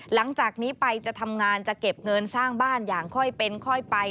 หลังจากนี้ไปจะทำงานจะเก็บเงินสร้างบ้านอย่างค่อยเป็นค่อยไป